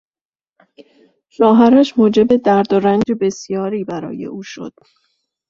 شوهرش موجب درد و رنج بسیاری برای او شد.